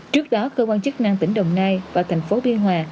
trước đó cơ quan chức năng tỉnh đồng nai và thành phố biên hòa